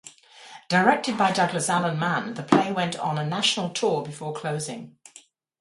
Directed by Douglas Alan Mann, the play went on a national tour before closing.